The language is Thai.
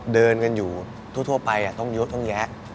เดินกันอยู่ทั่วไปต้องเยอะต้องแยะ